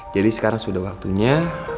jadi sekarang sudah waktunya